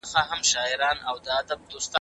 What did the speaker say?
په مرکه کي بايد د نجلۍ د کورنۍ ستاينه وکړئ.